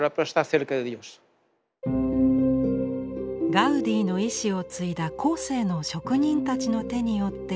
ガウディの遺志を継いだ後世の職人たちの手によって生み出された祈りの場。